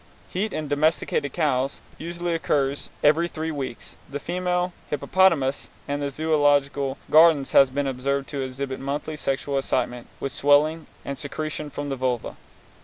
Heat in domesticated cows usually occurs every three weeks. The female hippopotamus in the Zoölogical Gardens has been observed to exhibit monthly sexual excitement, with swelling and secretion from the vulva.